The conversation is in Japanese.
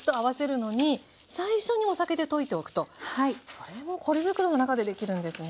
それもポリ袋の中でできるんですね。